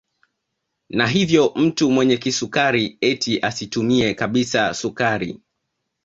Na hivyo mtu mwenye kisukari eti asitumie kabisa sukari